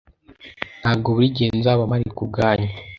Ntabwo buri gihe nzaba mpari kubwanyu.